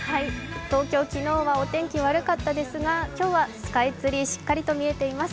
東京は昨日お天気悪かったですが、今日はスカイツリー、しっかり見えています。